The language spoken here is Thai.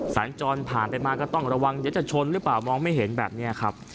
สัญจรผ่านไปมาก็ต้องระวังเดี๋ยวจะชนหรือเปล่ามองไม่เห็นแบบนี้ครับ